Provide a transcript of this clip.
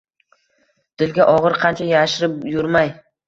Dilga ogʻir qancha yashirib yurmay: